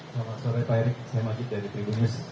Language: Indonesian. selamat sore pak erick saya majid dari tribun news